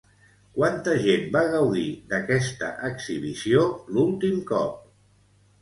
Quanta gent va gaudir d'aquesta exhibició l'últim cop?